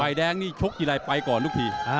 ไฟแดงนี่ชุกยิรัยไปก่อนลูกภีร์